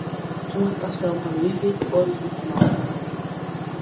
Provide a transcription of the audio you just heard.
Sommige tastellen hawwe wifi, oaren spitigernôch net.